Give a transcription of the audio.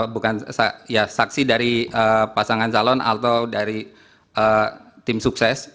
bukan saksi dari pasangan calon atau dari tim sukses